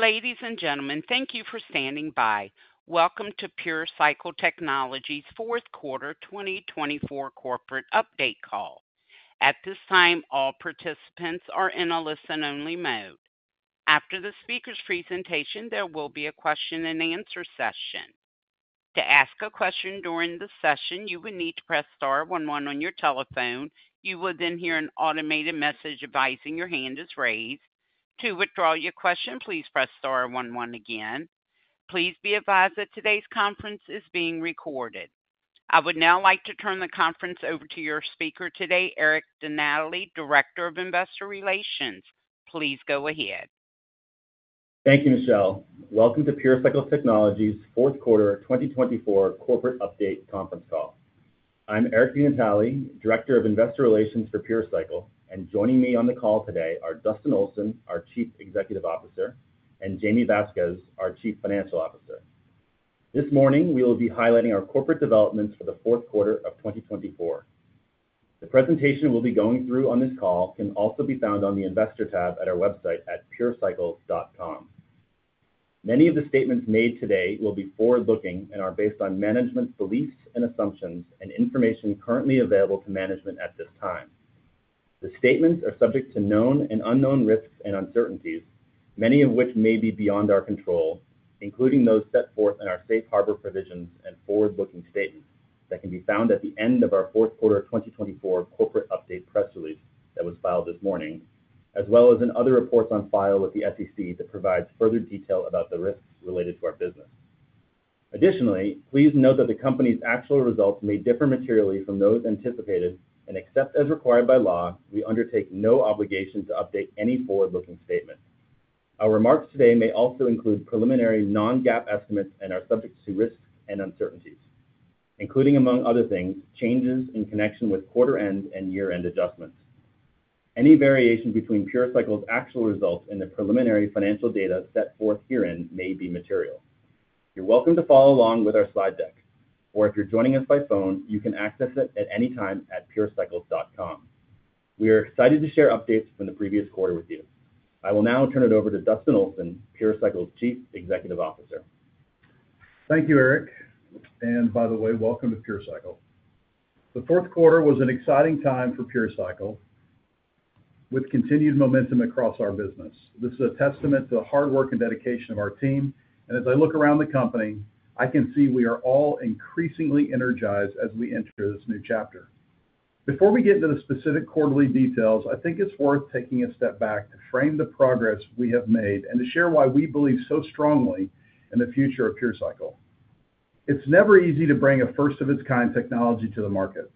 Ladies and gentlemen, thank you for standing by. Welcome to PureCycle Technologies' Fourth Quarter 2024 Corporate Update Call. At this time, all participants are in a listen-only mode. After the speaker's presentation, there will be a question-and-answer session. To ask a question during the session, you will need to press star one one on your telephone. You will then hear an automated message advising your hand is raised. To withdraw your question, please press star one one again. Please be advised that today's conference is being recorded. I would now like to turn the conference over to your speaker today, Eric DeNatale, Director of Investor Relations. Please go ahead. Thank you, Michelle. Welcome to PureCycle Technologies' Fourth Quarter 2024 Corporate Update Conference Call. I'm Eric DeNatale, Director of Investor Relations for PureCycle, and joining me on the call today are Dustin Olson, our Chief Executive Officer, and Jaime Vasquez, our Chief Financial Officer. This morning, we will be highlighting our corporate developments for the fourth quarter of 2024. The presentation we'll be going through on this call can also be found on the Investor tab at our website at purecycle.com. Many of the statements made today will be forward-looking and are based on management's beliefs and assumptions and information currently available to management at this time. The statements are subject to known and unknown risks and uncertainties, many of which may be beyond our control, including those set forth in our safe harbor provisions and forward-looking statements that can be found at the end of our Fourth Quarter 2024 Corporate Update Press Release that was filed this morning, as well as in other reports on file with the SEC that provide further detail about the risks related to our business. Additionally, please note that the company's actual results may differ materially from those anticipated, and except as required by law, we undertake no obligation to update any forward-looking statements. Our remarks today may also include preliminary non-GAAP estimates and are subject to risks and uncertainties, including, among other things, changes in connection with quarter-end and year-end adjustments. Any variation between PureCycle's actual results and the preliminary financial data set forth herein may be material. You're welcome to follow along with our slide deck, or if you're joining us by phone, you can access it at any time at purecycle.com. We are excited to share updates from the previous quarter with you. I will now turn it over to Dustin Olson, PureCycle's Chief Executive Officer. Thank you, Eric. And by the way, welcome to PureCycle. The fourth quarter was an exciting time for PureCycle with continued momentum across our business. This is a testament to the hard work and dedication of our team, and as I look around the company, I can see we are all increasingly energized as we enter this new chapter. Before we get into the specific quarterly details, I think it's worth taking a step back to frame the progress we have made and to share why we believe so strongly in the future of PureCycle. It's never easy to bring a first-of-its-kind technology to the market,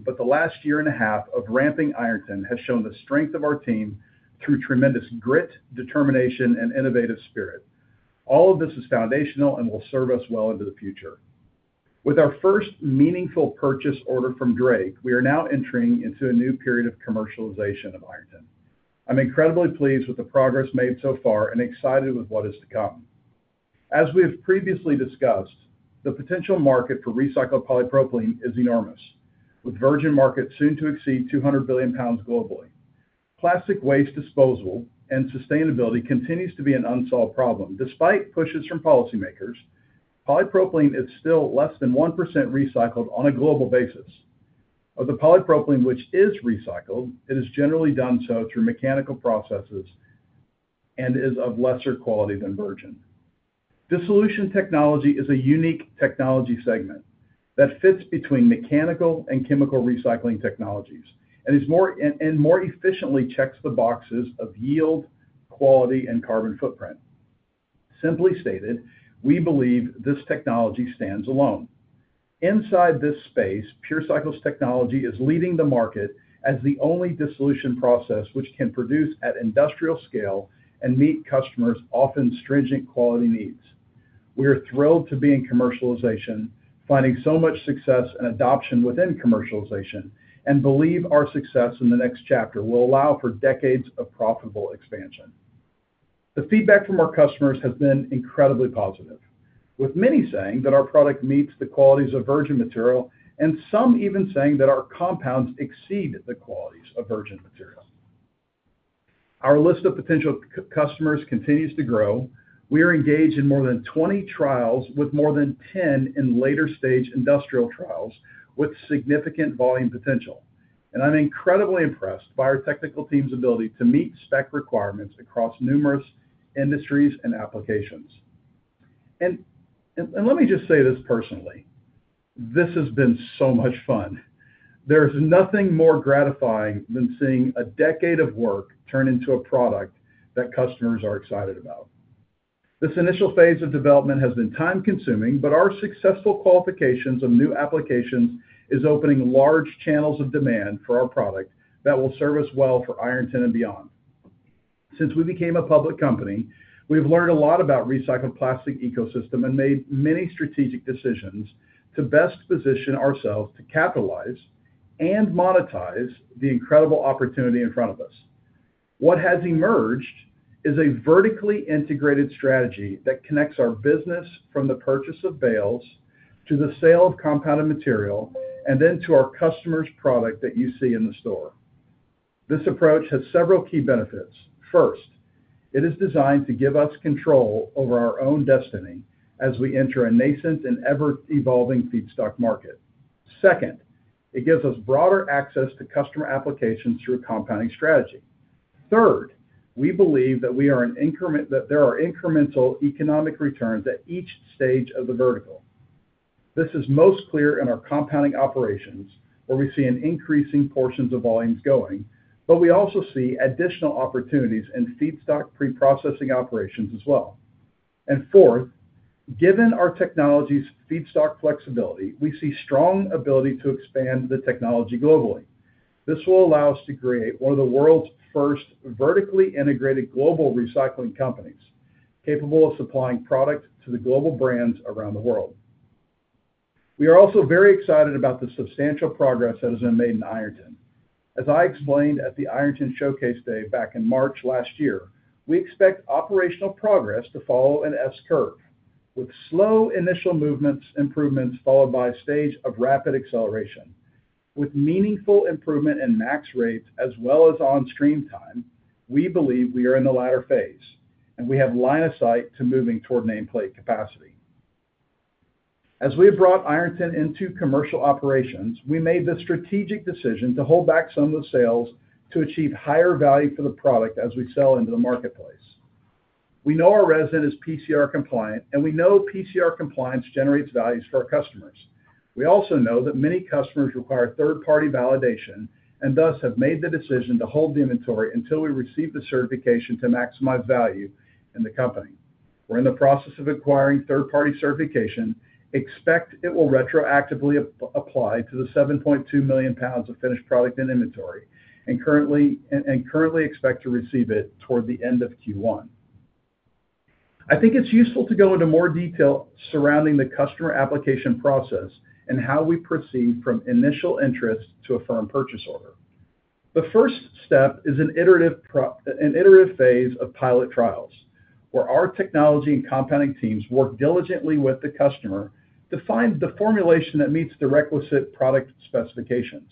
but the last year and a half of ramping Ironton has shown the strength of our team through tremendous grit, determination, and innovative spirit. All of this is foundational and will serve us well into the future. With our first meaningful purchase order from Drake, we are now entering into a new period of commercialization of Ironton. I'm incredibly pleased with the progress made so far and excited with what is to come. As we have previously discussed, the potential market for recycled polypropylene is enormous, with virgin markets soon to exceed 200 billion lbs globally. Plastic waste disposal and sustainability continues to be an unsolved problem. Despite pushes from policymakers, polypropylene is still less than 1% recycled on a global basis. Of the polypropylene which is recycled, it is generally done so through mechanical processes and is of lesser quality than virgin. Dissolution technology is a unique technology segment that fits between mechanical and chemical recycling technologies and more efficiently checks the boxes of yield, quality, and carbon footprint. Simply stated, we believe this technology stands alone. Inside this space, PureCycle's technology is leading the market as the only dissolution process which can produce at industrial scale and meet customers' often stringent quality needs. We are thrilled to be in commercialization, finding so much success and adoption within commercialization, and believe our success in the next chapter will allow for decades of profitable expansion. The feedback from our customers has been incredibly positive, with many saying that our product meets the qualities of virgin material and some even saying that our compounds exceed the qualities of virgin material. Our list of potential customers continues to grow. We are engaged in more than 20 trials with more than 10 in later-stage industrial trials with significant volume potential, and I'm incredibly impressed by our technical team's ability to meet spec requirements across numerous industries and applications. And let me just say this personally: this has been so much fun. There is nothing more gratifying than seeing a decade of work turn into a product that customers are excited about. This initial phase of development has been time-consuming, but our successful qualifications of new applications are opening large channels of demand for our product that will serve us well for Ironton and beyond. Since we became a public company, we have learned a lot about the recycled plastic ecosystem and made many strategic decisions to best position ourselves to capitalize and monetize the incredible opportunity in front of us. What has emerged is a vertically integrated strategy that connects our business from the purchase of bales to the sale of compounded material and then to our customers' product that you see in the store. This approach has several key benefits. First, it is designed to give us control over our own destiny as we enter a nascent and ever-evolving feedstock market. Second, it gives us broader access to customer applications through a compounding strategy. Third, we believe that there are incremental economic returns at each stage of the vertical. This is most clear in our compounding operations, where we see increasing portions of volumes going, but we also see additional opportunities in feedstock preprocessing operations as well, and fourth, given our technology's feedstock flexibility, we see strong ability to expand the technology globally. This will allow us to create one of the world's first vertically integrated global recycling companies capable of supplying product to the global brands around the world. We are also very excited about the substantial progress that has been made in Ironton. As I explained at the Ironton Showcase Day back in March last year, we expect operational progress to follow an S-curve, with slow initial movements, improvements followed by a stage of rapid acceleration. With meaningful improvement in max rates as well as on-stream time, we believe we are in the latter phase, and we have line of sight to moving toward nameplate capacity. As we have brought Ironton into commercial operations, we made the strategic decision to hold back some of the sales to achieve higher value for the product as we sell into the marketplace. We know our resin is PCR compliant, and we know PCR compliance generates value for our customers. We also know that many customers require third-party validation and thus have made the decision to hold the inventory until we receive the certification to maximize value in the company. We're in the process of acquiring third-party certification. Expect it will retroactively apply to the 7.2 million lbs of finished product in inventory and currently expect to receive it toward the end of Q1. I think it's useful to go into more detail surrounding the customer application process and how we proceed from initial interest to a firm purchase order. The first step is an iterative phase of pilot trials, where our technology and compounding teams work diligently with the customer to find the formulation that meets the requisite product specifications.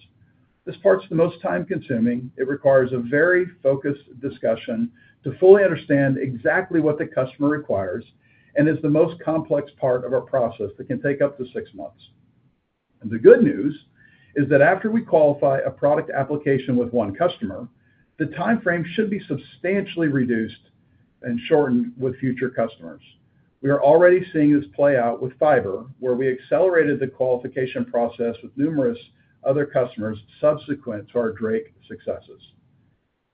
This part's the most time-consuming. It requires a very focused discussion to fully understand exactly what the customer requires and is the most complex part of our process that can take up to six months. The good news is that after we qualify a product application with one customer, the timeframe should be substantially reduced and shortened with future customers. We are already seeing this play out with fiber, where we accelerated the qualification process with numerous other customers subsequent to our Drake successes.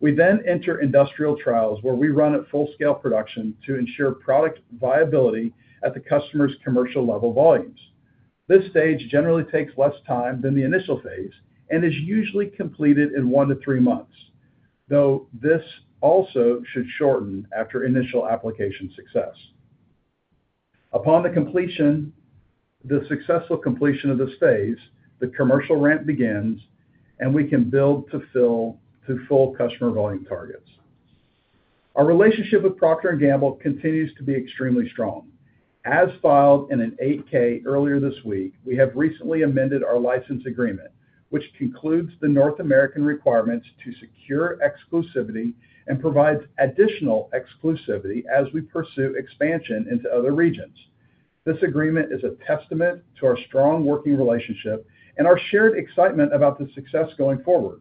We then enter industrial trials, where we run at full-scale production to ensure product viability at the customer's commercial-level volumes. This stage generally takes less time than the initial phase and is usually completed in one to three months, though this also should shorten after initial application success. Upon the successful completion of this phase, the commercial ramp begins, and we can build to fill to full customer volume targets. Our relationship with Procter & Gamble continues to be extremely strong. As filed in an 8-K earlier this week, we have recently amended our license agreement, which concludes the North American requirements to secure exclusivity and provides additional exclusivity as we pursue expansion into other regions. This agreement is a testament to our strong working relationship and our shared excitement about the success going forward.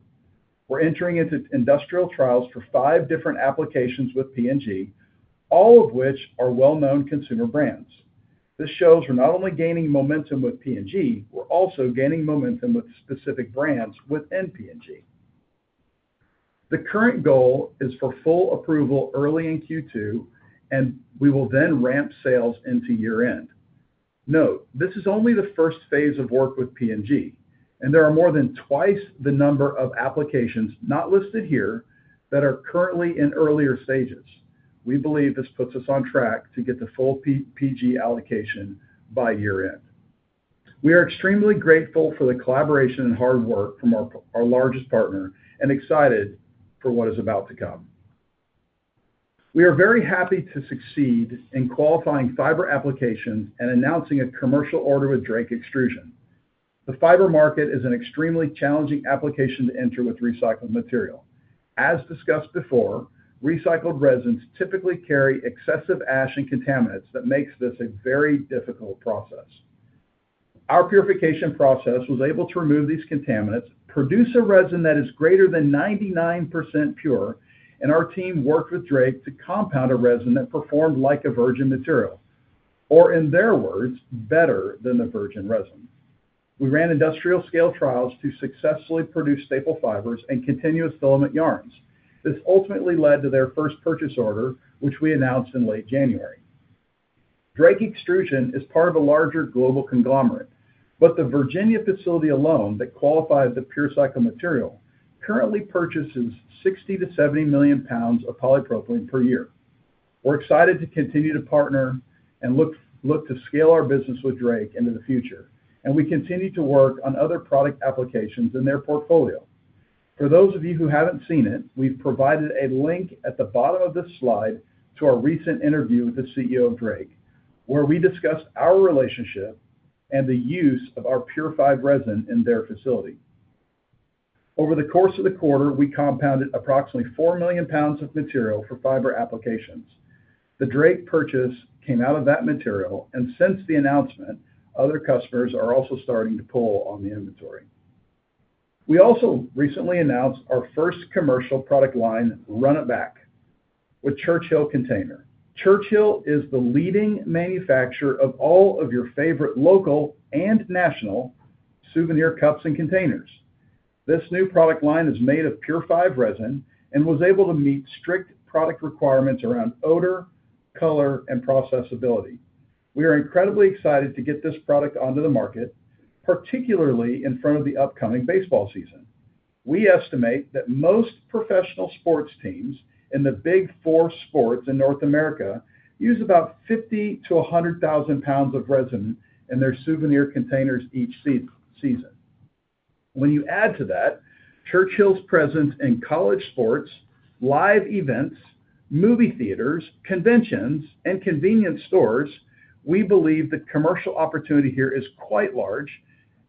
We're entering into industrial trials for five different applications with P&G, all of which are well-known consumer brands. This shows we're not only gaining momentum with P&G, we're also gaining momentum with specific brands within P&G. The current goal is for full approval early in Q2, and we will then ramp sales into year-end. Note: this is only the first phase of work with P&G, and there are more than twice the number of applications not listed here that are currently in earlier stages. We believe this puts us on track to get the full P&G allocation by year-end. We are extremely grateful for the collaboration and hard work from our largest partner and excited for what is about to come. We are very happy to succeed in qualifying fiber applications and announcing a commercial order with Drake Extrusion. The fiber market is an extremely challenging application to enter with recycled material. As discussed before, recycled resins typically carry excessive ash and contaminants that make this a very difficult process. Our purification process was able to remove these contaminants, produce a resin that is greater than 99% pure, and our team worked with Drake to compound a resin that performed like a virgin material, or in their words, better than the virgin resin. We ran industrial-scale trials to successfully produce staple fibers and continuous filament yarns. This ultimately led to their first purchase order, which we announced in late January. Drake Extrusion is part of a larger global conglomerate, but the Virginia facility alone that qualified the PureCycle material currently purchases 60 million-70 million lbs of polypropylene per year. We're excited to continue to partner and look to scale our business with Drake into the future, and we continue to work on other product applications in their portfolio. For those of you who haven't seen it, we've provided a link at the bottom of this slide to our recent interview with the CEO of Drake, where we discussed our relationship and the use of our purified resin in their facility. Over the course of the quarter, we compounded approximately 4 million lbs of material for fiber applications. The Drake purchase came out of that material, and since the announcement, other customers are also starting to pull on the inventory. We also recently announced our first commercial product line, Run It Back, with Churchill Container. Churchill is the leading manufacturer of all of your favorite local and national souvenir cups and containers. This new product line is made of purified resin and was able to meet strict product requirements around odor, color, and processability. We are incredibly excited to get this product onto the market, particularly in front of the upcoming baseball season. We estimate that most professional sports teams in the Big Four sports in North America use about 50,000-100,000 lbs of resin in their souvenir containers each season. When you add to that Churchill's presence in college sports, live events, movie theaters, conventions, and convenience stores, we believe the commercial opportunity here is quite large,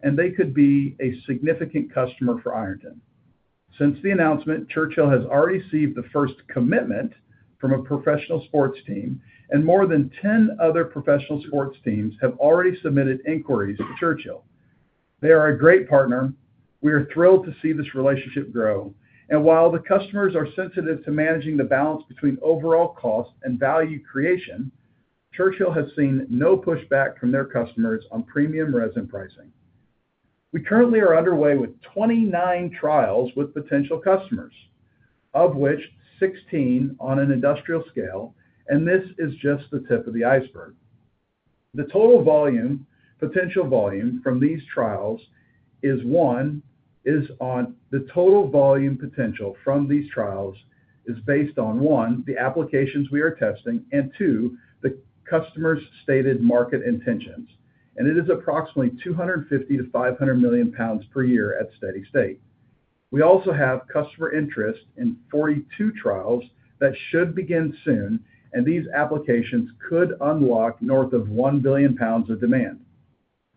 and they could be a significant customer for Ironton. Since the announcement, Churchill has already received the first commitment from a professional sports team, and more than 10 other professional sports teams have already submitted inquiries to Churchill. They are a great partner. We are thrilled to see this relationship grow, and while the customers are sensitive to managing the balance between overall cost and value creation, Churchill has seen no pushback from their customers on premium resin pricing. We currently are underway with 29 trials with potential customers, of which 16 on an industrial scale, and this is just the tip of the iceberg. The total potential volume from these trials is based on one, the applications we are testing, and two, the customers' stated market intentions. It is approximately 250,000-500,000 lbs per year at steady state. We also have customer interest in 42 trials that should begin soon, and these applications could unlock north of 1 billion lbs of demand.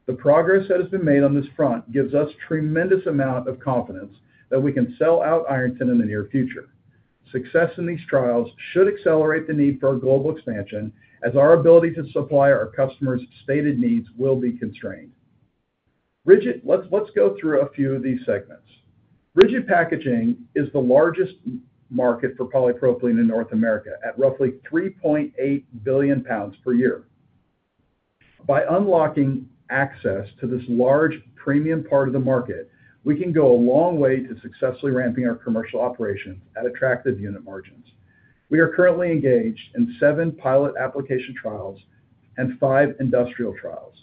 The progress that has been made on this front gives us a tremendous amount of confidence that we can sell out Ironton in the near future. Success in these trials should accelerate the need for global expansion as our ability to supply our customers' stated needs will be constrained. Rigid, let's go through a few of these segments. Rigid packaging is the largest market for polypropylene in North America at roughly 3.8 billion lbs per year. By unlocking access to this large premium part of the market, we can go a long way to successfully ramping our commercial operations at attractive unit margins. We are currently engaged in seven pilot application trials and five industrial trials.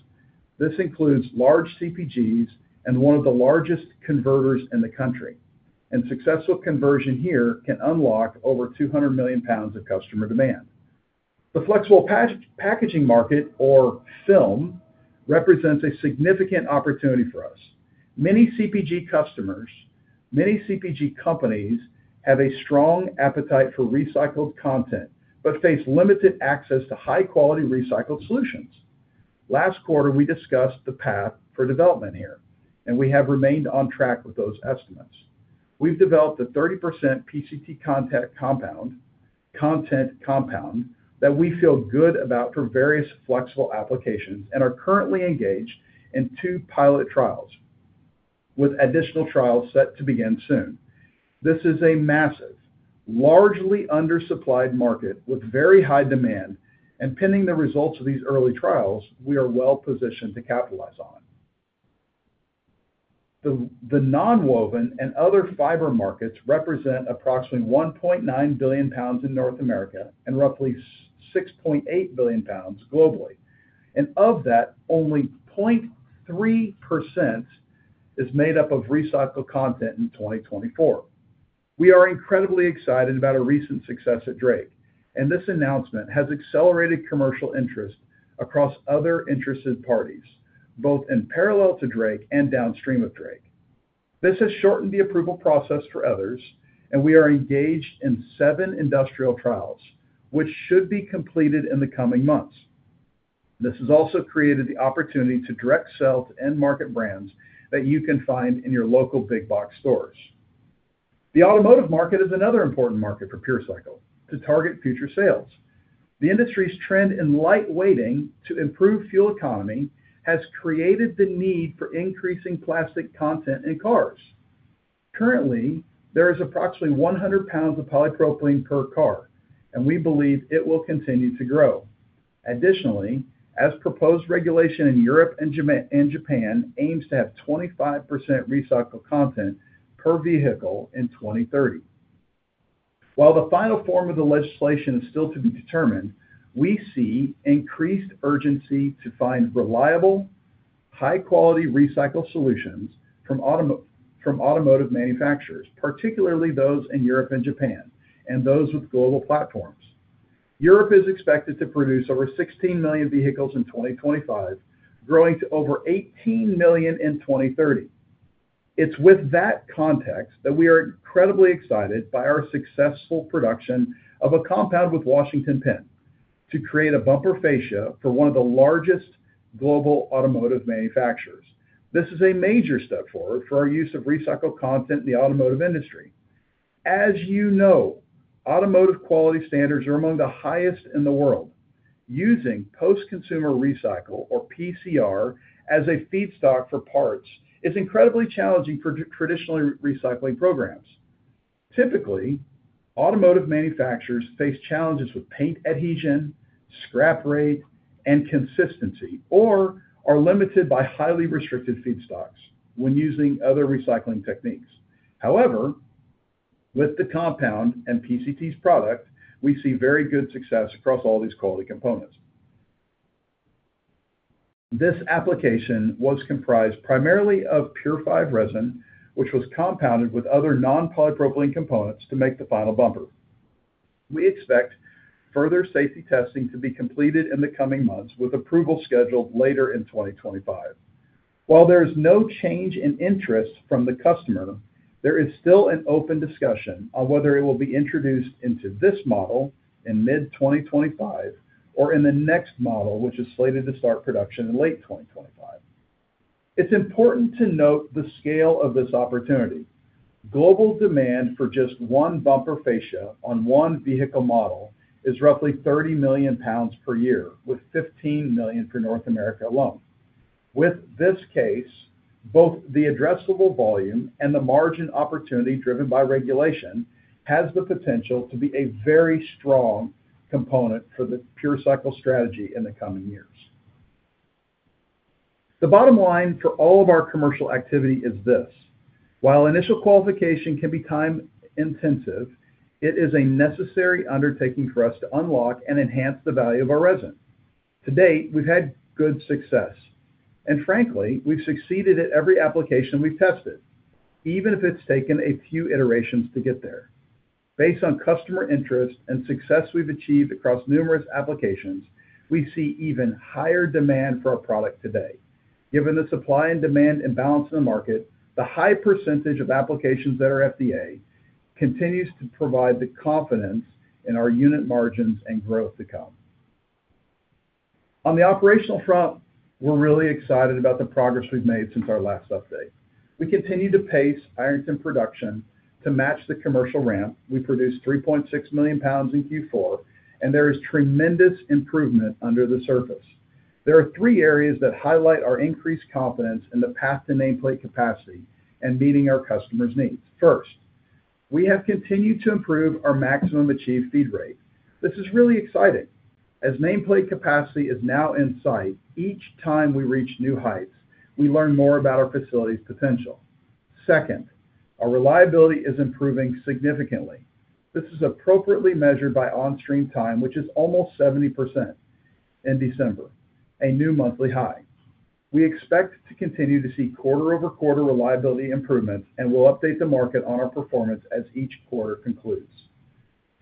This includes large CPGs and one of the largest converters in the country, and successful conversion here can unlock over 200 million lbs of customer demand. The flexible packaging market, or film, represents a significant opportunity for us. Many CPG customers, many CPG companies have a strong appetite for recycled content but face limited access to high-quality recycled solutions. Last quarter, we discussed the path for development here, and we have remained on track with those estimates. We've developed a 30% PCP content compound that we feel good about for various flexible applications and are currently engaged in two pilot trials with additional trials set to begin soon. This is a massive, largely undersupplied market with very high demand, and pending the results of these early trials, we are well positioned to capitalize on it. The non-woven and other fiber markets represent approximately 1.9 billion lbs in North America and roughly 6.8 billion lbs globally, and of that, only 0.3% is made up of recycled content in 2024. We are incredibly excited about a recent success at Drake, and this announcement has accelerated commercial interest across other interested parties, both in parallel to Drake and downstream of Drake. This has shortened the approval process for others, and we are engaged in seven industrial trials, which should be completed in the coming months. This has also created the opportunity to direct sell to end-market brands that you can find in your local big-box stores. The automotive market is another important market for PureCycle to target future sales. The industry's trend in lightweighting to improve fuel economy has created the need for increasing plastic content in cars. Currently, there is approximately 100 lbs of polypropylene per car, and we believe it will continue to grow. Additionally, as proposed regulation in Europe and Japan aims to have 25% recycled content per vehicle in 2030. While the final form of the legislation is still to be determined, we see increased urgency to find reliable, high-quality recycled solutions from automotive manufacturers, particularly those in Europe and Japan and those with global platforms. Europe is expected to produce over 16 million vehicles in 2025, growing to over 18 million in 2030. It's with that context that we are incredibly excited by our successful production of a compound with Washington Penn to create a bumper fascia for one of the largest global automotive manufacturers. This is a major step forward for our use of recycled content in the automotive industry. As you know, automotive quality standards are among the highest in the world. Using post-consumer recycle, or PCR, as a feedstock for parts is incredibly challenging for traditional recycling programs. Typically, automotive manufacturers face challenges with paint adhesion, scrap rate, and consistency, or are limited by highly restricted feedstocks when using other recycling techniques. However, with the compound and PCT's product, we see very good success across all these quality components. This application was comprised primarily of purified resin, which was compounded with other non-polypropylene components to make the final bumper. We expect further safety testing to be completed in the coming months, with approval scheduled later in 2025. While there is no change in interest from the customer, there is still an open discussion on whether it will be introduced into this model in mid-2025 or in the next model, which is slated to start production in late 2025. It's important to note the scale of this opportunity. Global demand for just one bumper fascia on one vehicle model is roughly 30 million lbs per year, with 15 million for North America alone. With this case, both the addressable volume and the margin opportunity driven by regulation has the potential to be a very strong component for the PureCycle strategy in the coming years. The bottom line for all of our commercial activity is this: while initial qualification can be time-intensive, it is a necessary undertaking for us to unlock and enhance the value of our resin. To date, we've had good success, and frankly, we've succeeded at every application we've tested, even if it's taken a few iterations to get there. Based on customer interest and success we've achieved across numerous applications, we see even higher demand for our product today. Given the supply and demand imbalance in the market, the high percentage of applications that are FDA continues to provide the confidence in our unit margins and growth to come. On the operational front, we're really excited about the progress we've made since our last update. We continue to pace Ironton production to match the commercial ramp. We produced 3.6 million lbs in Q4, and there is tremendous improvement under the surface. There are three areas that highlight our increased confidence in the path to nameplate capacity and meeting our customers' needs. First, we have continued to improve our maximum achieved feed rate. This is really exciting. As nameplate capacity is now in sight, each time we reach new heights, we learn more about our facility's potential. Second, our reliability is improving significantly. This is appropriately measured by on-stream time, which is almost 70% in December, a new monthly high. We expect to continue to see quarter-over-quarter reliability improvements and will update the market on our performance as each quarter concludes.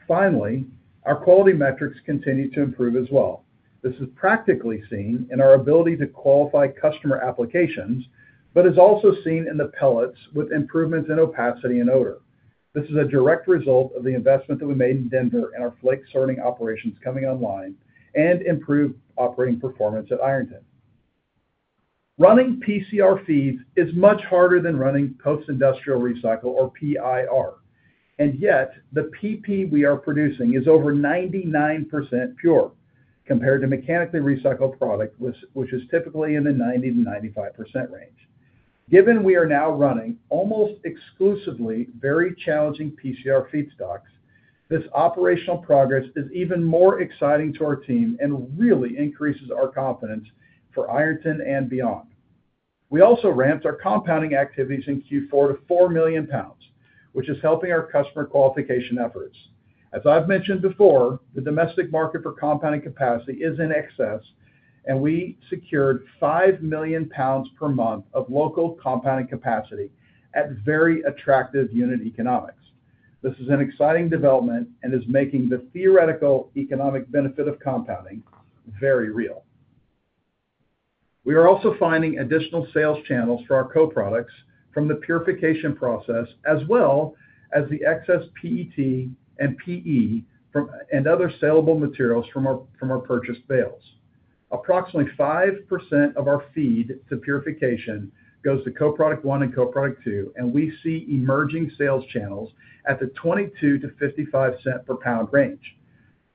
Finally, our quality metrics continue to improve as well. This is practically seen in our ability to qualify customer applications, but is also seen in the pellets with improvements in opacity and odor. This is a direct result of the investment that we made in Denver and our flake sorting operations coming online and improved operating performance at Ironton. Running PCR feeds is much harder than running post-industrial recycle, or PIR. And yet, the PP we are producing is over 99% pure compared to mechanically recycled product, which is typically in the 90%-95% range. Given we are now running almost exclusively very challenging PCR feedstocks, this operational progress is even more exciting to our team and really increases our confidence for Ironton and beyond. We also ramped our compounding activities in Q4 to 4 million lbs, which is helping our customer qualification efforts. As I've mentioned before, the domestic market for compounding capacity is in excess, and we secured 5 million lbs per month of local compounding capacity at very attractive unit economics. This is an exciting development and is making the theoretical economic benefit of compounding very real. We are also finding additional sales channels for our co-products from the purification process, as well as the excess PET and PE and other saleable materials from our purchased bales. Approximately 5% of our feed to purification goes to Co-product 1 and Co-product 2, and we see emerging sales channels at the $0.22-$0.55 per pound range.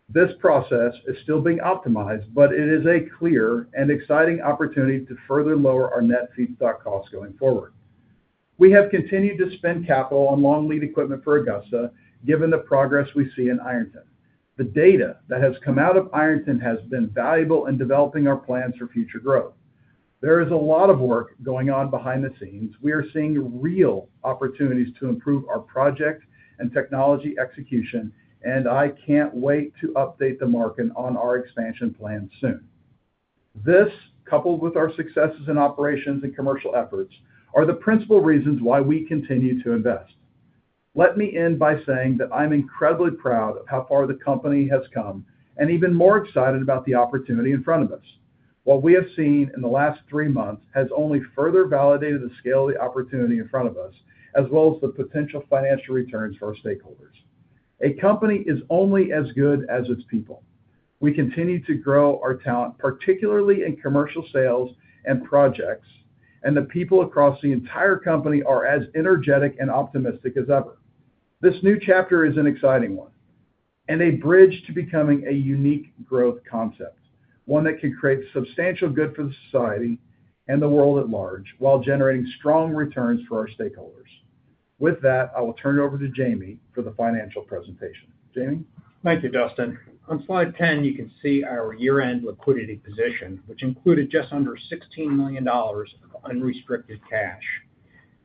This process is still being optimized, but it is a clear and exciting opportunity to further lower our net feedstock costs going forward. We have continued to spend capital on long-lead equipment for Augusta, given the progress we see in Ironton. The data that has come out of Ironton has been valuable in developing our plans for future growth. There is a lot of work going on behind the scenes. We are seeing real opportunities to improve our project and technology execution, and I can't wait to update the market on our expansion plan soon. This, coupled with our successes in operations and commercial efforts, are the principal reasons why we continue to invest. Let me end by saying that I'm incredibly proud of how far the company has come and even more excited about the opportunity in front of us. What we have seen in the last three months has only further validated the scale of the opportunity in front of us, as well as the potential financial returns for our stakeholders. A company is only as good as its people. We continue to grow our talent, particularly in commercial sales and projects, and the people across the entire company are as energetic and optimistic as ever. This new chapter is an exciting one and a bridge to becoming a unique growth concept, one that can create substantial good for the society and the world at large while generating strong returns for our stakeholders. With that, I will turn it over to Jaime for the financial presentation. Jaime? Thank you, Dustin. On slide 10, you can see our year-end liquidity position, which included just under $16 million of unrestricted cash.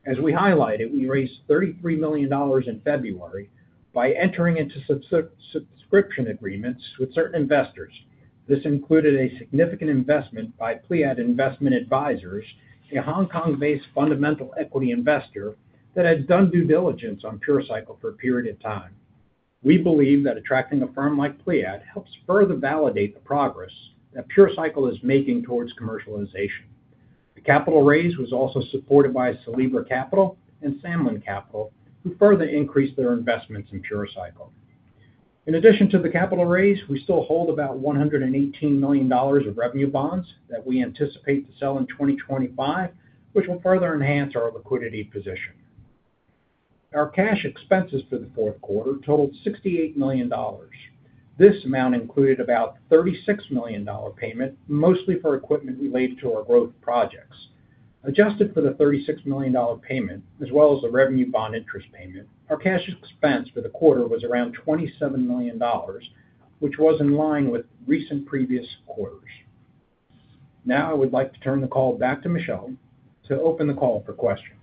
As we highlighted, we raised $33 million in February by entering into subscription agreements with certain investors. This included a significant investment by Pleiad Investment Advisors, a Hong Kong-based fundamental equity investor that had done due diligence on PureCycle for a period of time. We believe that attracting a firm like Pleiad helps further validate the progress that PureCycle is making towards commercialization. The capital raise was also supported by Sylebra Capital and Samlyn Capital, who further increased their investments in PureCycle. In addition to the capital raise, we still hold about $118 million of revenue bonds that we anticipate to sell in 2025, which will further enhance our liquidity position. Our cash expenses for the fourth quarter totaled $68 million. This amount included about a $36 million payment, mostly for equipment related to our growth projects. Adjusted for the $36 million payment, as well as the revenue bond interest payment, our cash expense for the quarter was around $27 million, which was in line with recent previous quarters. Now, I would like to turn the call back to Michelle to open the call for questions.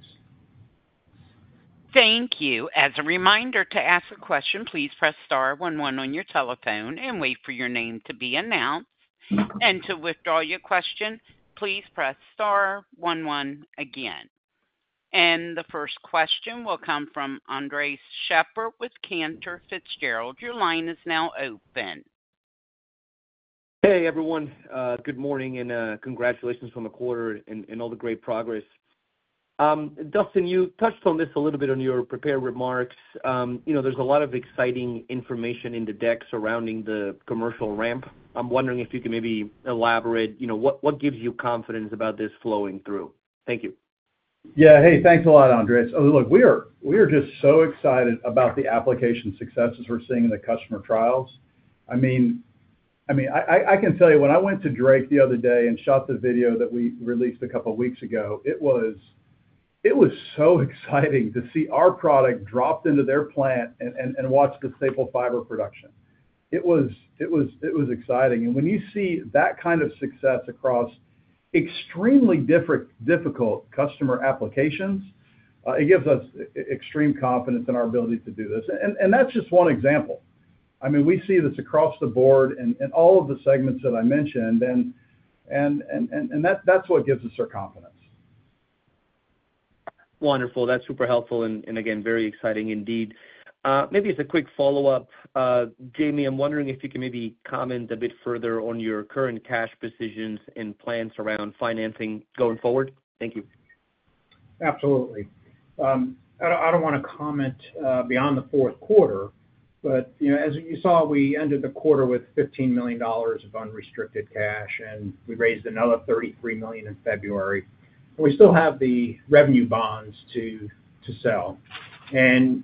Thank you. As a reminder, to ask a question, please press star one one on your telephone and wait for your name to be announced. And to withdraw your question, please press star one one again. And the first question will come from Andres Sheppard with Cantor Fitzgerald. Your line is now open. Hey, everyone. Good morning and congratulations on the quarter and all the great progress. Dustin, you touched on this a little bit in your prepared remarks. There's a lot of exciting information in the deck surrounding the commercial ramp. I'm wondering if you can maybe elaborate what gives you confidence about this flowing through. Thank you. Yeah. Hey, thanks a lot, Andre. Look, we are just so excited about the application successes we're seeing in the customer trials. I mean, I can tell you, when I went to Drake the other day and shot the video that we released a couple of weeks ago, it was so exciting to see our product dropped into their plant and watch the staple fiber production. It was exciting, and when you see that kind of success across extremely difficult customer applications, it gives us extreme confidence in our ability to do this, and that's just one example. I mean, we see this across the board in all of the segments that I mentioned, and that's what gives us our confidence. Wonderful. That's super helpful and, again, very exciting indeed. Maybe as a quick follow-up, Jaime, I'm wondering if you can maybe comment a bit further on your current cash positions and plans around financing going forward. Thank you. Absolutely. I don't want to comment beyond the fourth quarter, but as you saw, we ended the quarter with $15 million of unrestricted cash, and we raised another $33 million in February. We still have the revenue bonds to sell. And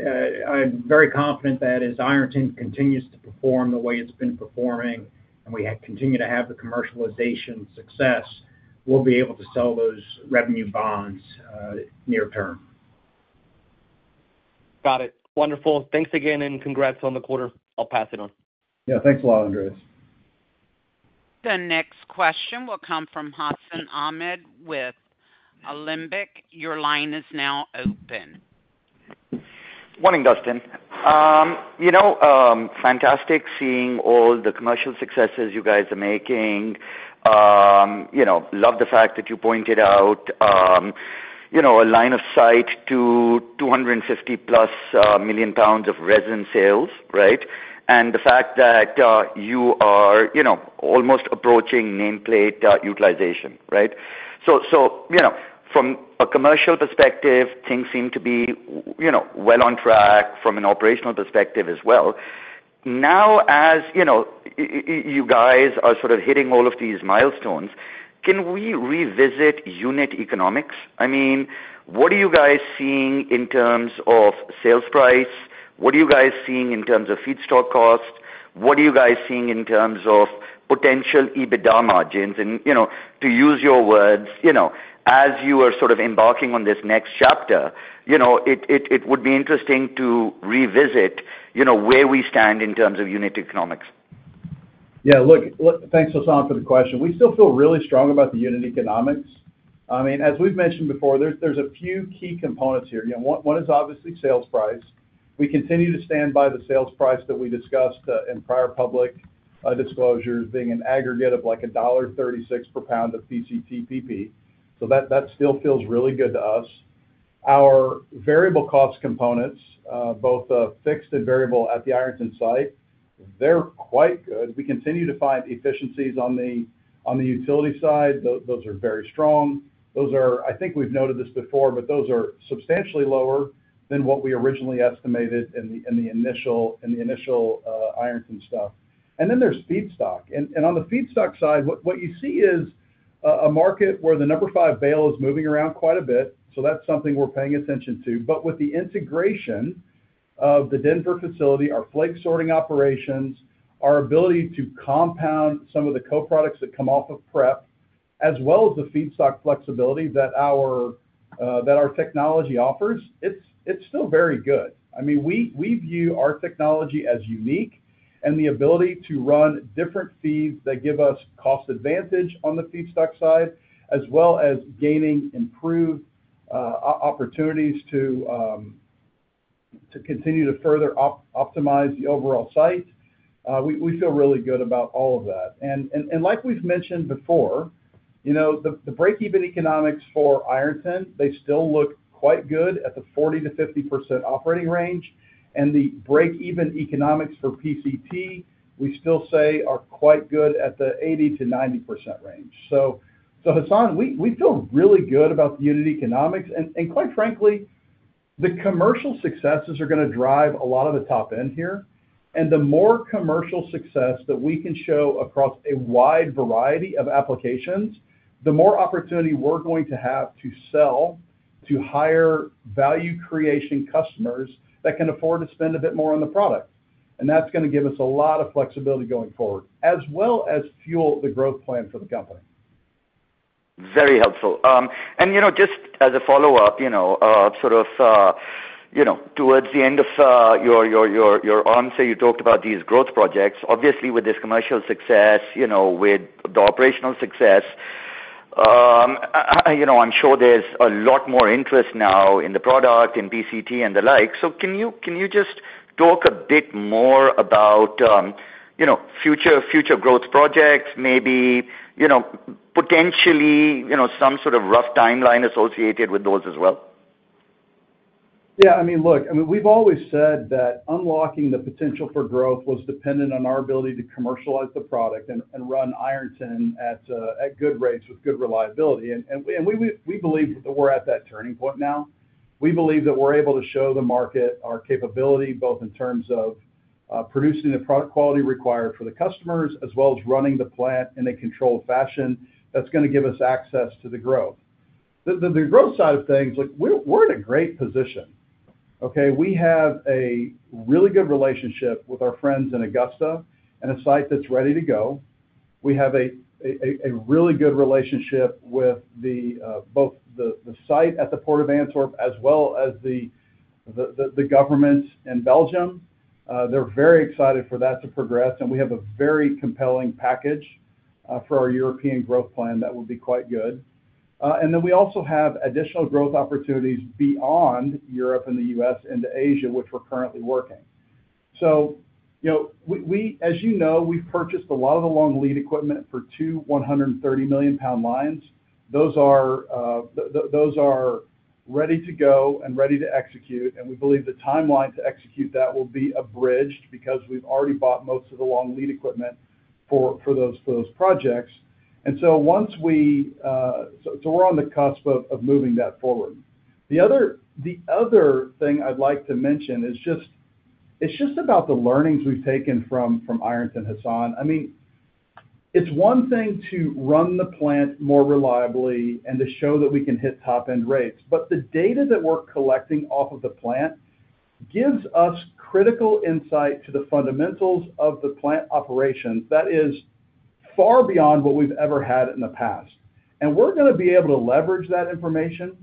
I'm very confident that as Ironton continues to perform the way it's been performing and we continue to have the commercialization success, we'll be able to sell those revenue bonds near term. Got it. Wonderful. Thanks again and congrats on the quarter. I'll pass it on. Yeah. Thanks a lot, Andre. The next question will come from Hassan Ahmed with Alembic. Your line is now open. Morning, Dustin. Fantastic seeing all the commercial successes you guys are making. Love the fact that you pointed out a line of sight to 250 plus million pounds of resin sales, right? And the fact that you are almost approaching nameplate utilization, right? So from a commercial perspective, things seem to be well on track from an operational perspective as well. Now, as you guys are sort of hitting all of these milestones, can we revisit unit economics? I mean, what are you guys seeing in terms of sales price? What are you guys seeing in terms of feedstock costs? What are you guys seeing in terms of potential EBITDA margins? And to use your words, as you are sort of embarking on this next chapter, it would be interesting to revisit where we stand in terms of unit economics. Yeah. Look, thanks, Hassan, for the question. We still feel really strong about the unit economics. I mean, as we've mentioned before, there's a few key components here. One is obviously sales price. We continue to stand by the sales price that we discussed in prior public disclosures being an aggregate of like $1.36 per pound of PCT PP. So that still feels really good to us. Our variable cost components, both fixed and variable at the Ironton site, they're quite good. We continue to find efficiencies on the utility side. Those are very strong. I think we've noted this before, but those are substantially lower than what we originally estimated in the initial Ironton stuff. Then there's feedstock. On the feedstock side, what you see is a market where the number five bale is moving around quite a bit. That's something we're paying attention to. But with the integration of the Denver facility, our flake sorting operations, our ability to compound some of the co-products that come off of prep, as well as the feedstock flexibility that our technology offers, it's still very good. I mean, we view our technology as unique and the ability to run different feeds that give us cost advantage on the feedstock side, as well as gaining improved opportunities to continue to further optimize the overall site. We feel really good about all of that. Like we've mentioned before, the break-even economics for Ironton, they still look quite good at the 40%-50% operating range. And the break-even economics for PCT, we still say are quite good at the 80%-90% range. So, Hassan, we feel really good about the unit economics. And quite frankly, the commercial successes are going to drive a lot of the top end here. And the more commercial success that we can show across a wide variety of applications, the more opportunity we're going to have to sell to higher value creation customers that can afford to spend a bit more on the product. And that's going to give us a lot of flexibility going forward, as well as fuel the growth plan for the company. Very helpful. And just as a follow-up, sort of towards the end of your comments, you talked about these growth projects. Obviously, with this commercial success, with the operational success, I'm sure there's a lot more interest now in the product and PCT and the like. So can you just talk a bit more about future growth projects, maybe potentially some sort of rough timeline associated with those as well? Yeah. I mean, look, we've always said that unlocking the potential for growth was dependent on our ability to commercialize the product and run Ironton at good rates with good reliability. And we believe that we're at that turning point now. We believe that we're able to show the market our capability, both in terms of producing the product quality required for the customers, as well as running the plant in a controlled fashion that's going to give us access to the growth. The growth side of things, we're in a great position. Okay? We have a really good relationship with our friends in Augusta and a site that's ready to go. We have a really good relationship with both the site at the Port of Antwerp, as well as the governments in Belgium. They're very excited for that to progress. And we have a very compelling package for our European growth plan that would be quite good. And then we also have additional growth opportunities beyond Europe and the U.S. and Asia, which we're currently working. So as you know, we've purchased a lot of the long-lead equipment for two 130 million lbs lines. Those are ready to go and ready to execute. And we believe the timeline to execute that will be abridged because we've already bought most of the long-lead equipment for those projects. And so we're on the cusp of moving that forward. The other thing I'd like to mention is just about the learnings we've taken from Ironton, Hassan. I mean, it's one thing to run the plant more reliably and to show that we can hit top-end rates, but the data that we're collecting off of the plant gives us critical insight to the fundamentals of the plant operations that is far beyond what we've ever had in the past, and we're going to be able to leverage that information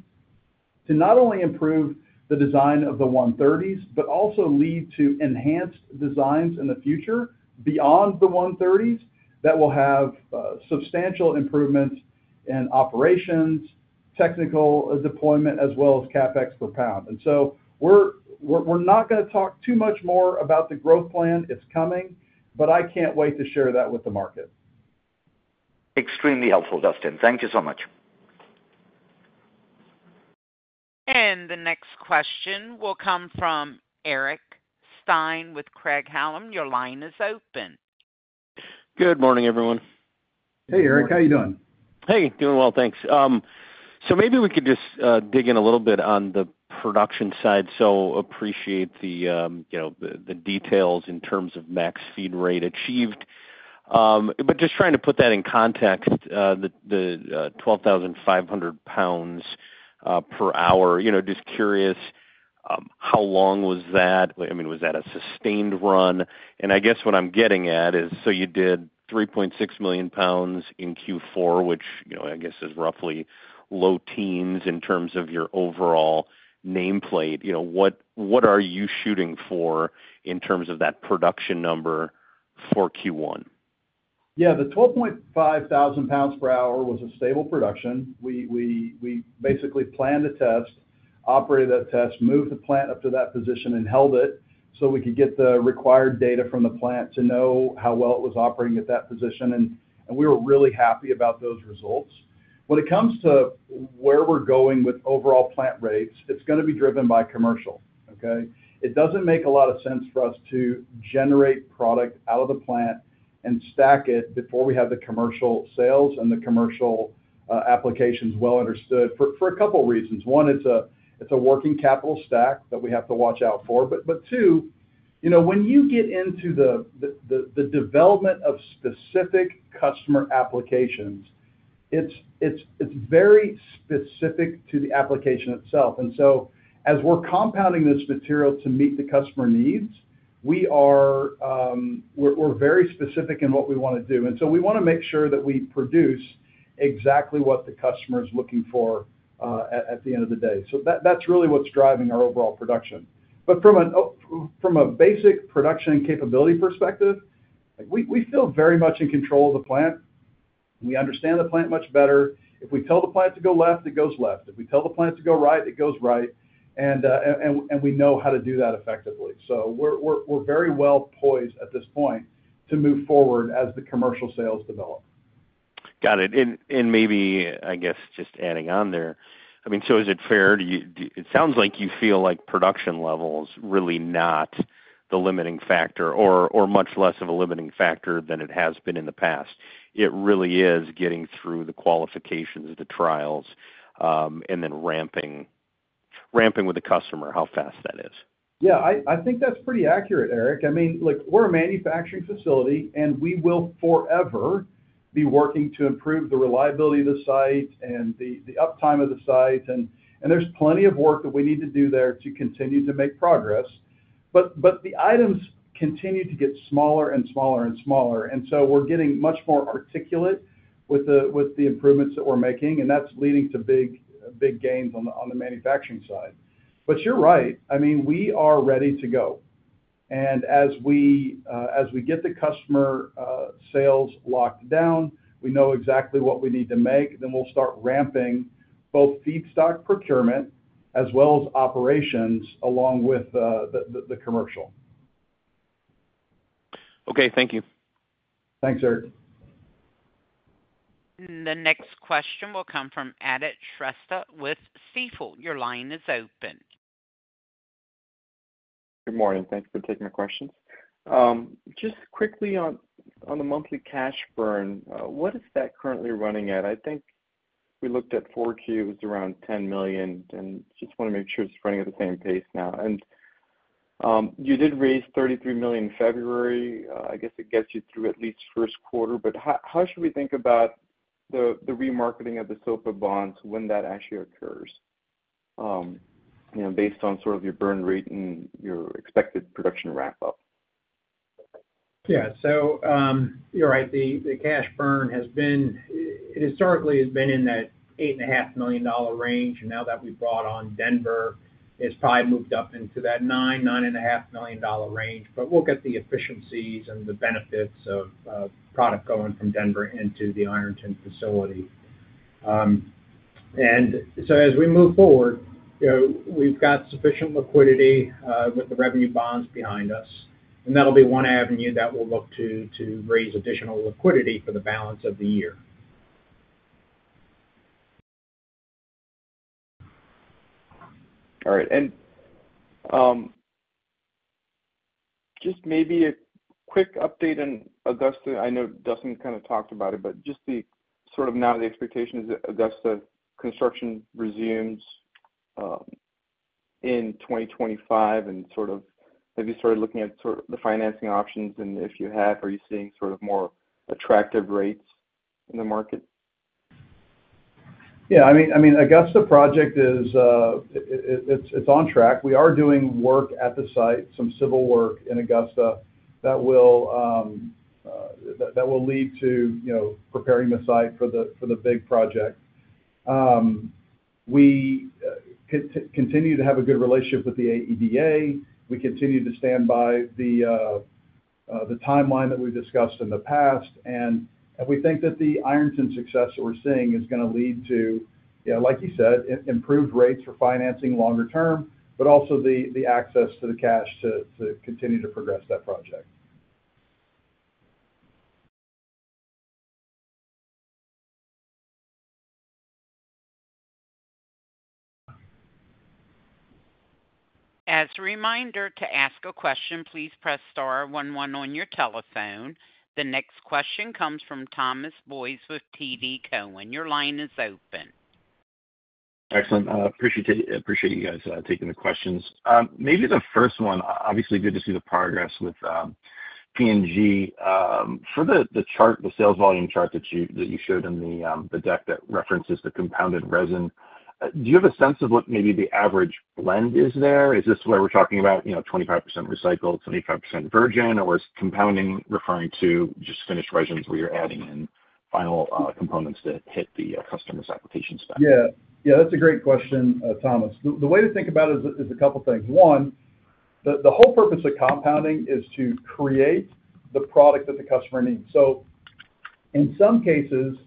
to not only improve the design of the 130s, but also lead to enhanced designs in the future beyond the 130s that will have substantial improvements in operations, technical deployment, as well as CapEx per pound, and so we're not going to talk too much more about the growth plan. It's coming, but I can't wait to share that with the market. Extremely helpful, Dustin. Thank you so much. The next question will come from Eric Stine with Craig-Hallum Capital Group. Your line is open. Good morning, everyone. Hey, Eric. How are you doing? Hey, doing well, thanks. So maybe we could just dig in a little bit on the production side. So appreciate the details in terms of max feed rate achieved. But just trying to put that in context, the 12,500 lbs per hour, just curious how long was that? I mean, was that a sustained run? And I guess what I'm getting at is, so you did 3.6 million lbs in Q4, which I guess is roughly low teens in terms of your overall nameplate. What are you shooting for in terms of that production number for Q1? Yeah. The 12.5 thousand lbs per hour was a stable production. We basically planned a test, operated that test, moved the plant up to that position, and held it so we could get the required data from the plant to know how well it was operating at that position and we were really happy about those results. When it comes to where we're going with overall plant rates, it's going to be driven by commercial. Okay? It doesn't make a lot of sense for us to generate product out of the plant and stack it before we have the commercial sales and the commercial applications well understood for a couple of reasons. One, it's a working capital stack that we have to watch out for, but two, when you get into the development of specific customer applications, it's very specific to the application itself. And so as we're compounding this material to meet the customer needs, we're very specific in what we want to do. And so we want to make sure that we produce exactly what the customer is looking for at the end of the day. So that's really what's driving our overall production. But from a basic production capability perspective, we feel very much in control of the plant. We understand the plant much better. If we tell the plant to go left, it goes left. If we tell the plant to go right, it goes right. And we know how to do that effectively. So we're very well poised at this point to move forward as the commercial sales develop. Got it. And maybe, I guess, just adding on there, I mean, so is it fair? It sounds like you feel like production level is really not the limiting factor or much less of a limiting factor than it has been in the past. It really is getting through the qualifications, the trials, and then ramping with the customer how fast that is? Yeah. I think that's pretty accurate, Eric. I mean, look, we're a manufacturing facility, and we will forever be working to improve the reliability of the site and the uptime of the site. And there's plenty of work that we need to do there to continue to make progress. But the items continue to get smaller and smaller and smaller. And so we're getting much more articulate with the improvements that we're making. And that's leading to big gains on the manufacturing side. But you're right. I mean, we are ready to go. And as we get the customer sales locked down, we know exactly what we need to make, then we'll start ramping both feedstock procurement as well as operations along with the commercial. Okay. Thank you. Thanks, Eric. And the next question will come from Aadit Shrestha with Stifel. Your line is open. Good morning. Thanks for taking my questions. Just quickly on the monthly cash burn, what is that currently running at? I think we looked at Q4, around $10 million. And just want to make sure it's running at the same pace now. And you did raise $33 million in February. I guess it gets you through at least first quarter. But how should we think about the remarketing of the SOPA bonds when that actually occurs based on sort of your burn rate and your expected production ramp up? Yeah. So you're right. The cash burn has been historically in that $8.5 million range, and now that we've brought on Denver, it's probably moved up into that $9 million-$9.5 million range. But we'll get the efficiencies and the benefits of product going from Denver into the Ironton facility, and so as we move forward, we've got sufficient liquidity with the revenue bonds behind us. And that'll be one avenue that we'll look to raise additional liquidity for the balance of the year. All right, and just maybe a quick update on Augusta. I know Dustin kind of talked about it, but just sort of now the expectation is that Augusta construction resumes in 2025, and sort of have you started looking at the financing options? And if you have, are you seeing sort of more attractive rates in the market? Yeah. I mean, Augusta project is on track. We are doing work at the site, some civil work in Augusta that will lead to preparing the site for the big project. We continue to have a good relationship with the AEDA. We continue to stand by the timeline that we've discussed in the past. And we think that the Ironton success that we're seeing is going to lead to, like you said, improved rates for financing longer term, but also the access to the cash to continue to progress that project. As a reminder to ask a question, please press star one one on your telephone. The next question comes from Thomas Boyes with TD Cowen. Your line is open. Excellent. Appreciate you guys taking the questions. Maybe the first one, obviously good to see the progress with P&G. For the chart, the sales volume chart that you showed in the deck that references the compounded resin, do you have a sense of what maybe the average blend is there? Is this where we're talking about 25% recycled, 25% virgin, or is compounding referring to just finished resins where you're adding in final components to hit the customer's application spec? Yeah. Yeah, that's a great question, Thomas. The way to think about it is a couple of things. One, the whole purpose of compounding is to create the product that the customer needs. So in some cases,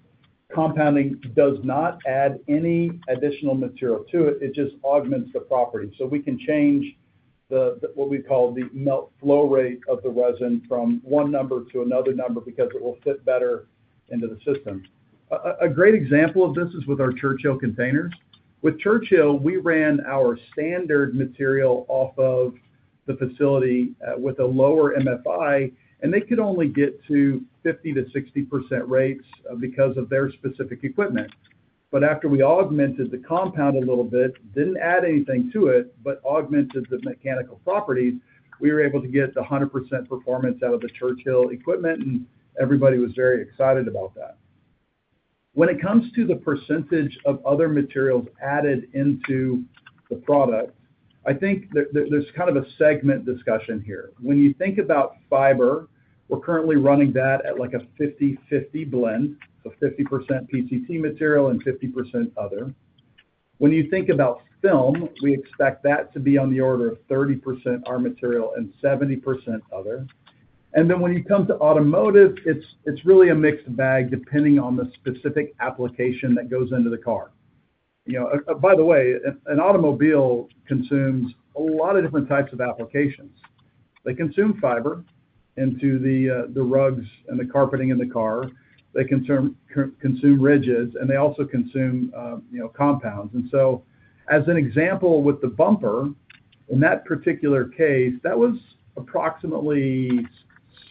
compounding does not add any additional material to it. It just augments the property. So we can change what we call the melt flow rate of the resin from one number to another number because it will fit better into the system. A great example of this is with our Churchill containers. With Churchill, we ran our standard material off of the facility with a lower MFI, and they could only get to 50%-60% rates because of their specific equipment. But after we augmented the compound a little bit, didn't add anything to it, but augmented the mechanical properties, we were able to get the 100% performance out of the Churchill equipment, and everybody was very excited about that. When it comes to the percentage of other materials added into the product, I think there's kind of a segment discussion here. When you think about fiber, we're currently running that at like a 50/50 blend, so 50% PCT material and 50% other. When you think about film, we expect that to be on the order of 30% our material and 70% other. Then when you come to automotive, it's really a mixed bag depending on the specific application that goes into the car. By the way, an automobile consumes a lot of different types of applications. They consume fiber into the rugs and the carpeting in the car. They consume resins, and they also consume compounds. And so as an example, with the bumper, in that particular case, that was approximately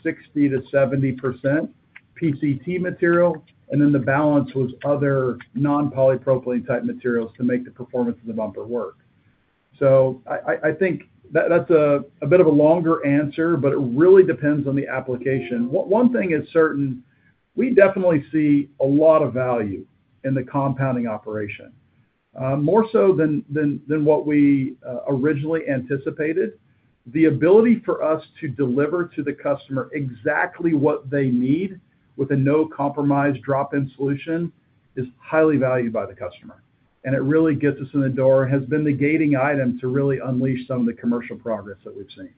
60%-70% PCR material, and then the balance was other non-polypropylene type materials to make the performance of the bumper work. So I think that's a bit of a longer answer, but it really depends on the application. One thing is certain. We definitely see a lot of value in the compounding operation, more so than what we originally anticipated. The ability for us to deliver to the customer exactly what they need with a no-compromise drop-in solution is highly valued by the customer. And it really gets us in the door and has been the gating item to really unleash some of the commercial progress that we've seen.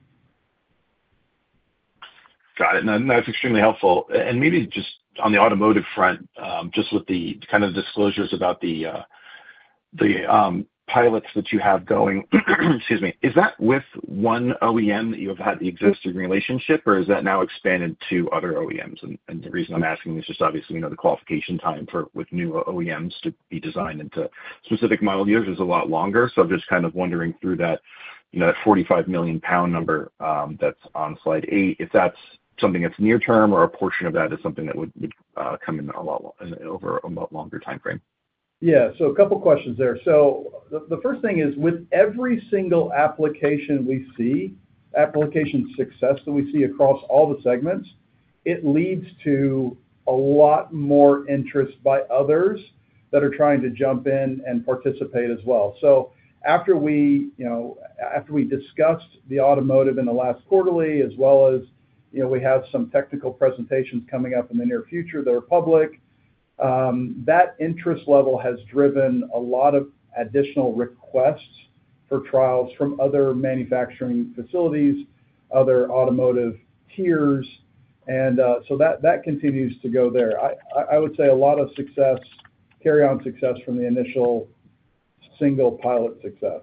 Got it. That's extremely helpful. And maybe just on the automotive front, just with the kind of disclosures about the pilots that you have going, excuse me, is that with one OEM that you have had the existing relationship, or is that now expanded to other OEMs? And the reason I'm asking is just obviously the qualification time with new OEMs to be designed into specific model years is a lot longer. So just kind of wondering through that 45 million lbs number that's on slide eight, if that's something that's near-term or a portion of that is something that would come in over a longer time frame. Yeah. So a couple of questions there. So the first thing is with every single application we see, application success that we see across all the segments, it leads to a lot more interest by others that are trying to jump in and participate as well. So after we discussed the automotive in the last quarterly, as well as we have some technical presentations coming up in the near future that are public, that interest level has driven a lot of additional requests for trials from other manufacturing facilities, other automotive tiers. And so that continues to go there. I would say a lot of success, carry-on success from the initial single pilot success.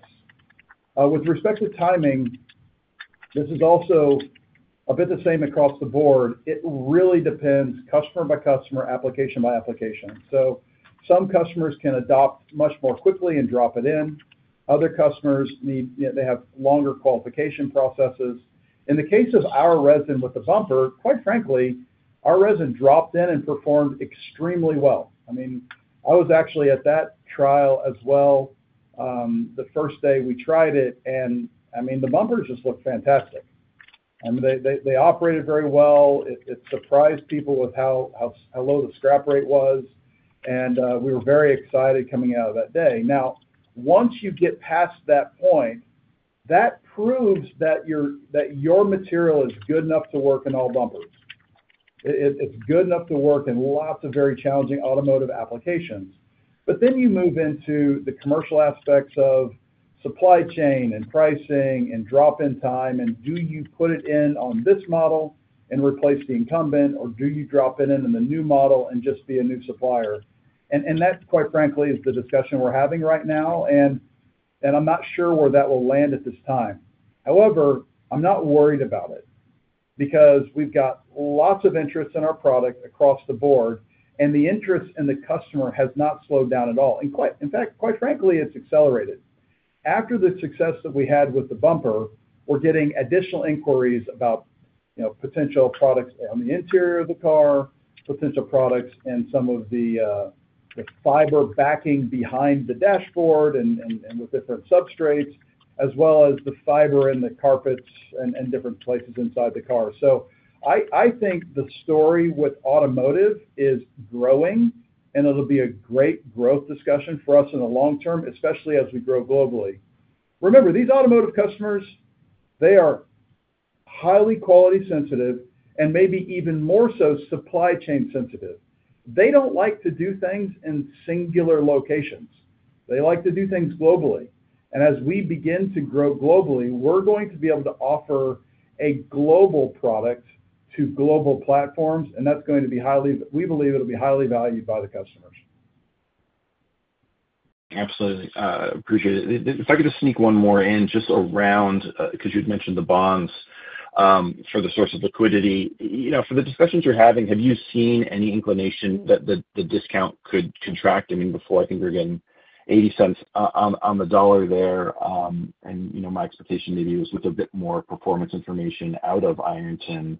With respect to timing, this is also a bit the same across the board. It really depends, customer by customer, application by application. So some customers can adopt much more quickly and drop it in. Other customers need, they have longer qualification processes. In the case of our resin with the bumper, quite frankly, our resin dropped in and performed extremely well. I mean, I was actually at that trial as well, the first day we tried it. And I mean, the bumpers just looked fantastic. I mean, they operated very well. It surprised people with how low the scrap rate was. And we were very excited coming out of that day. Now, once you get past that point, that proves that your material is good enough to work in all bumpers. It's good enough to work in lots of very challenging automotive applications. But then you move into the commercial aspects of supply chain and pricing and drop-in time and do you put it in on this model and replace the incumbent, or do you drop it in the new model and just be a new supplier? And that, quite frankly, is the discussion we're having right now. And I'm not sure where that will land at this time. However, I'm not worried about it because we've got lots of interest in our product across the board, and the interest in the customer has not slowed down at all. And in fact, quite frankly, it's accelerated. After the success that we had with the bumper, we're getting additional inquiries about potential products on the interior of the car, potential products in some of the fiber backing behind the dashboard and with different substrates, as well as the fiber in the carpets and different places inside the car. So I think the story with automotive is growing, and it'll be a great growth discussion for us in the long term, especially as we grow globally. Remember, these automotive customers, they are highly quality sensitive and maybe even more so supply chain sensitive. They don't like to do things in singular locations. They like to do things globally. And as we begin to grow globally, we're going to be able to offer a global product to global platforms, and that's going to be highly, we believe it'll be highly valued by the customers. Absolutely. Appreciate it. If I could just sneak one more in just around because you'd mentioned the bonds for the source of liquidity. For the discussions you're having, have you seen any inclination that the discount could contract? I mean, before I think we're getting $0.80 on the dollar there. And my expectation maybe was with a bit more performance information out of Ironton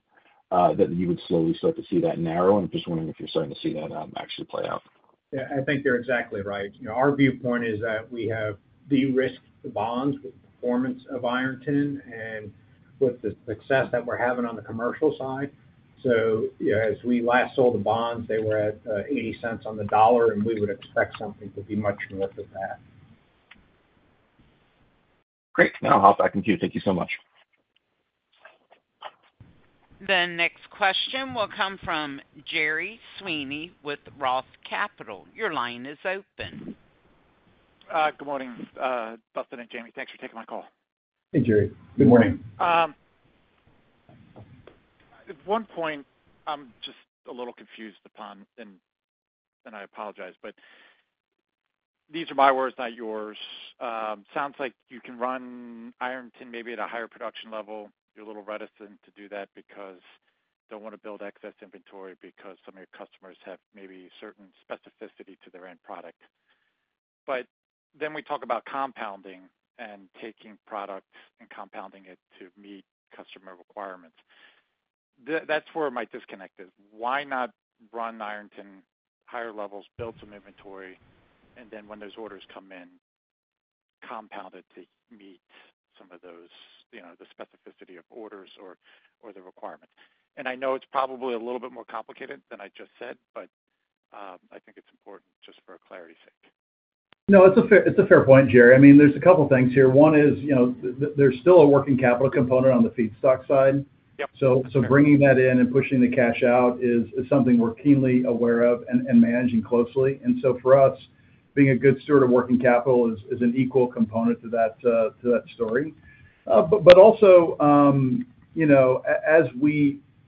that you would slowly start to see that narrow. And I'm just wondering if you're starting to see that actually play out. Yeah. I think you're exactly right. Our viewpoint is that we have the risk bonds with performance of Ironton and with the success that we're having on the commercial side. So as we last sold the bonds, they were at $0.80 on the dollar, and we would expect something to be much more than that. Great. I'll hop back into you. Thank you so much. The next question will come from Gerry Sweeney with Roth Capital. Your line is open. Good morning, Dustin and Jaime. Thanks for taking my call. Hey, Gerry. Good morning. At one point, I'm just a little confused upon, and I apologize, but these are my words, not yours. Sounds like you can run Ironton maybe at a higher production level. You're a little reticent to do that because you don't want to build excess inventory because some of your customers have maybe certain specificity to their end product. But then we talk about compounding and taking product and compounding it to meet customer requirements. That's where my disconnect is. Why not run Ironton higher levels, build some inventory, and then when those orders come in, compound it to meet some of the specificity of orders or the requirement? I know it's probably a little bit more complicated than I just said, but I think it's important just for clarity's sake. No, it's a fair point, Gerry. I mean, there's a couple of things here. One is there's still a working capital component on the feedstock side. So bringing that in and pushing the cash out is something we're keenly aware of and managing closely. And so for us, being a good steward of working capital is an equal component to that story. But also,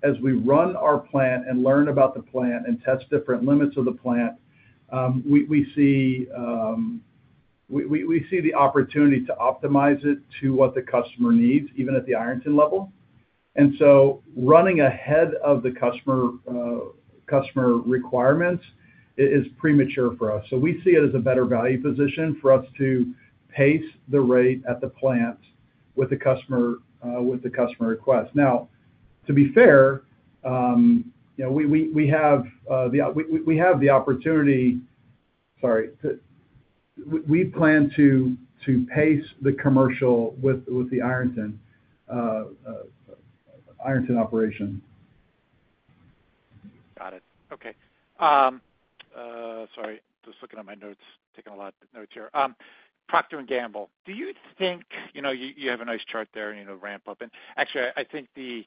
as we run our plant and learn about the plant and test different limits of the plant, we see the opportunity to optimize it to what the customer needs, even at the Ironton level. And so running ahead of the customer requirements is premature for us. So we see it as a better value position for us to pace the rate at the plant with the customer request. Now, to be fair, we have the opportunity. Sorry. We plan to pace the commercial with the Ironton operation. Got it. Okay. Sorry. Just looking at my notes, taking a lot of notes here. Procter & Gamble, do you think you have a nice chart there and ramp up? And actually, I think the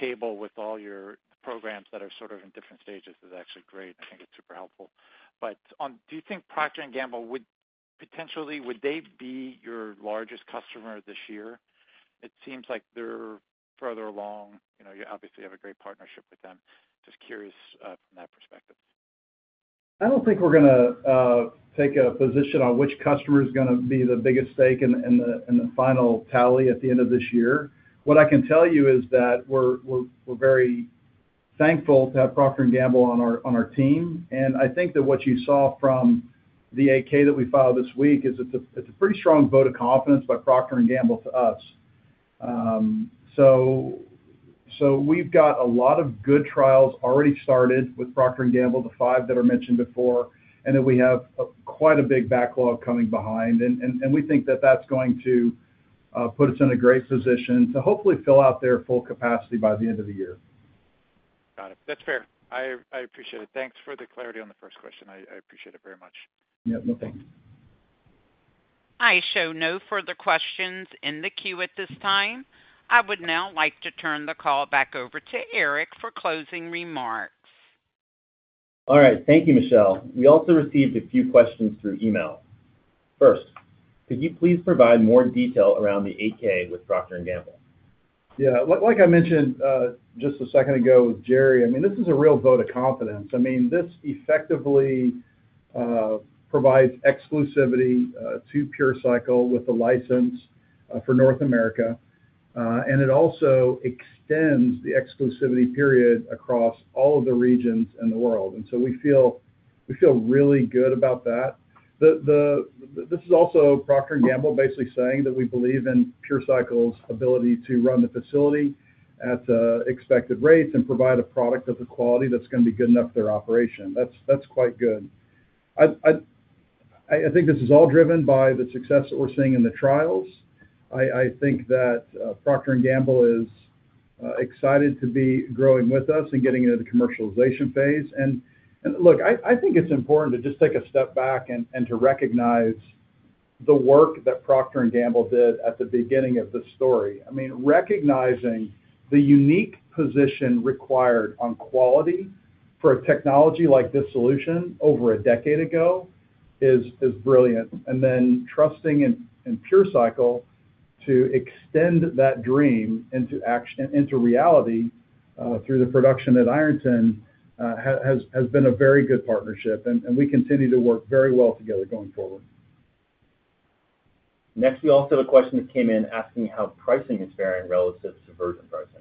table with all your programs that are sort of in different stages is actually great. I think it's super helpful. But do you think Procter & Gamble would potentially would they be your largest customer this year? It seems like they're further along. You obviously have a great partnership with them. Just curious from that perspective. I don't think we're going to take a position on which customer is going to be the biggest stake in the final tally at the end of this year. What I can tell you is that we're very thankful to have Procter & Gamble on our team, and I think that what you saw from the 8-K that we filed this week is it's a pretty strong vote of confidence by Procter & Gamble to us, so we've got a lot of good trials already started with Procter & Gamble, the five that are mentioned before, and then we have quite a big backlog coming behind, and we think that that's going to put us in a great position to hopefully fill out their full capacity by the end of the year. Got it. That's fair. I appreciate it. Thanks for the clarity on the first question. I appreciate it very much. Yep. No problem. I show no further questions in the queue at this time. I would now like to turn the call back over to Eric for closing remarks. All right. Thank you, Michelle. We also received a few questions through email. First, could you please provide more detail around the 8-K with Procter & Gamble? Yeah. Like I mentioned just a second ago with Gerry, I mean, this is a real vote of confidence. I mean, this effectively provides exclusivity to PureCycle with a license for North America. And it also extends the exclusivity period across all of the regions in the world. And so we feel really good about that. This is also Procter & Gamble basically saying that we believe in PureCycle's ability to run the facility at expected rates and provide a product of the quality that's going to be good enough for their operation. That's quite good. I think this is all driven by the success that we're seeing in the trials. I think that Procter & Gamble is excited to be growing with us and getting into the commercialization phase. And look, I think it's important to just take a step back and to recognize the work that Procter & Gamble did at the beginning of the story. I mean, recognizing the unique position required on quality for a technology like this solution over a decade ago is brilliant. And then trusting in PureCycle to extend that dream into reality through the production of Ironton has been a very good partnership. We continue to work very well together going forward. Next, we also have a question that came in asking how pricing is varying relative to virgin pricing.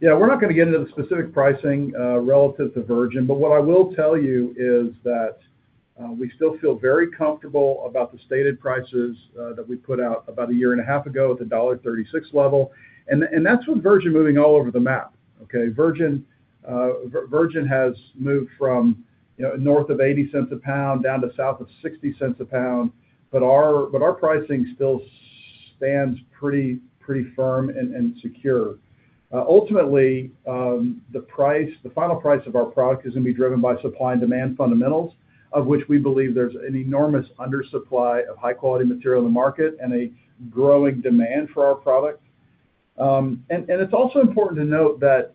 Yeah. We're not going to get into the specific pricing relative to virgin. But what I will tell you is that we still feel very comfortable about the stated prices that we put out about a year and a half ago at the $1.36 level. And that's with virgin moving all over the map. Okay? Virgin has moved from north of $0.80 a pound down to south of $0.60 a pound. But our pricing still stands pretty firm and secure. Ultimately, the final price of our product is going to be driven by supply and demand fundamentals, of which we believe there's an enormous undersupply of high-quality material in the market and a growing demand for our product. And it's also important to note that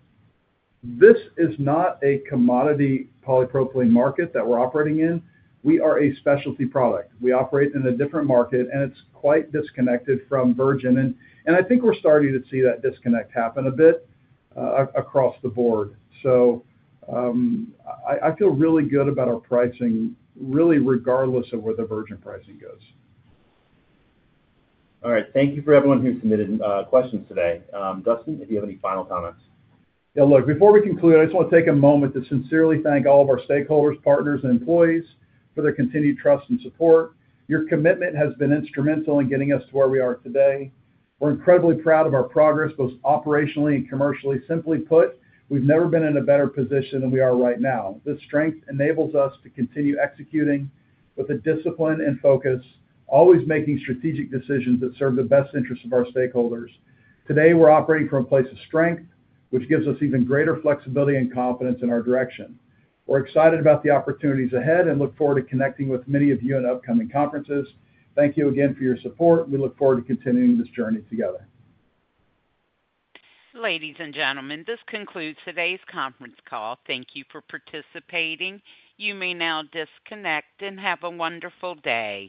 this is not a commodity polypropylene market that we're operating in. We are a specialty product. We operate in a different market, and it's quite disconnected from virgin. And I think we're starting to see that disconnect happen a bit across the board. So I feel really good about our pricing, really regardless of where the virgin pricing goes. All right. Thank you for everyone who submitted questions today. Dustin, if you have any final comments? Yeah. Look, before we conclude, I just want to take a moment to sincerely thank all of our stakeholders, partners, and employees for their continued trust and support. Your commitment has been instrumental in getting us to where we are today. We're incredibly proud of our progress both operationally and commercially. Simply put, we've never been in a better position than we are right now. This strength enables us to continue executing with a discipline and focus, always making strategic decisions that serve the best interests of our stakeholders. Today, we're operating from a place of strength, which gives us even greater flexibility and confidence in our direction. We're excited about the opportunities ahead and look forward to connecting with many of you in upcoming conferences. Thank you again for your support. We look forward to continuing this journey together. Ladies and gentlemen, this concludes today's conference call. Thank you for participating. You may now disconnect and have a wonderful day.